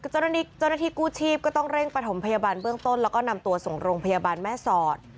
เจ้าหน้าที่กู้ชีพก็ต้องเร่งประถมพยาบาลเบื้องต้นแล้วก็นำตัวส่งโรงพยาบาลแม่สอด